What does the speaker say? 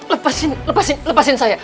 lepasin lepasin lepasin saya